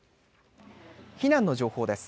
避難の情報です。